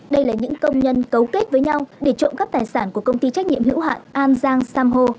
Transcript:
đây là những công nhân cấu kết với nhau để trộm gấp tài sản của công ty trách nhiệm hữu hạn an giang samho